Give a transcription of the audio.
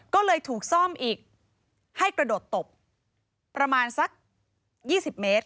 ก็เลยถูกซ่อมอีกให้กระโดดตบประมาณสัก๒๐เมตร